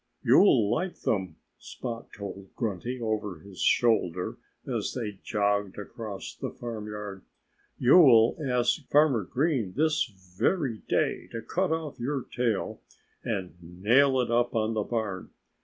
"You'll like them," Spot told Grunty over his shoulder as they jogged across the farmyard. "You'll ask Farmer Green this very day to cut off your tail and nail it up on the barn.